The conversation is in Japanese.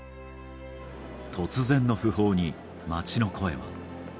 突然の訃報に、街の声は。